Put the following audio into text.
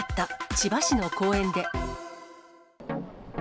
千葉市の公園で。